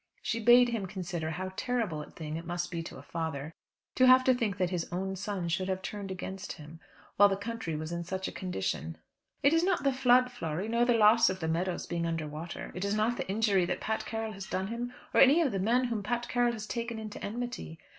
She bade him consider how terrible a thing it must be to a father, to have to think that his own son should have turned against him, while the country was in such a condition. "It is not the flood, Flory, nor the loss of the meadows being under water. It is not the injury that Pat Carroll has done him, or any of the men whom Pat Carroll has talked into enmity.